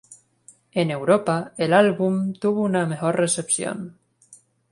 En Europa, el álbum tuvo una mejor recepción.